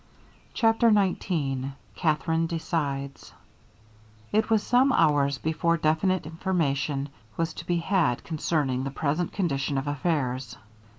CHAPTER XIX KATHERINE DECIDES It was some hours before definite information was to be had concerning the present condition of affairs.